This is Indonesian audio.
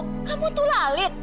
kamu tuh lalit